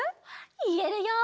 いえるよ！